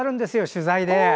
取材で。